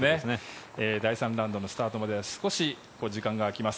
第３ラウンドのスタートまで少し時間が空きます。